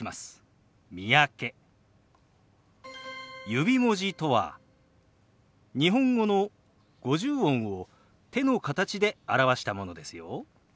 指文字とは日本語の五十音を手の形で表したものですよ。